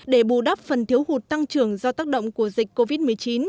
để bù đắp phần thiếu hụt tăng trưởng do tác động của dịch covid một mươi chín